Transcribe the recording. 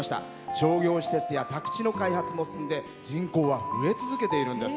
商業施設や宅地の開発も進んで人口は増え続けているんです。